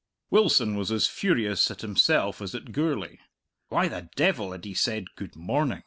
Wilson was as furious at himself as at Gourlay. Why the devil had he said "Good morning"?